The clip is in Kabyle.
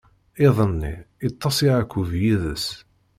Iḍ-nni, iṭṭeṣ Yeɛqub yid-s.